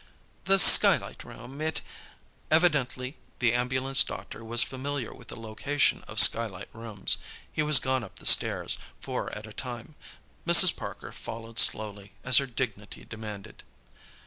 "The skylight room. It—" Evidently the ambulance doctor was familiar with the location of skylight rooms. He was gone up the stairs, four at a time. Mrs. Parker followed slowly, as her dignity demanded.